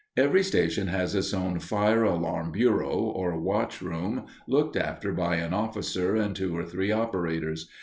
Every station has its own fire alarm bureau, or "watch room," looked after by an officer and two or three operators.